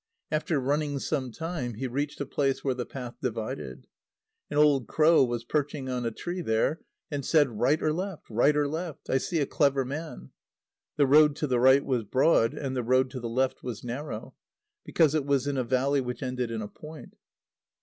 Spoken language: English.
After running some time, he reached a place where the path divided. An old crow was perching on a tree there, and said: "Right or left! right or left! I see a clever man." The road to the right was broad, and the road to the left was narrow, because it was in a valley which ended in a point.